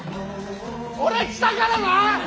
俺来たからな！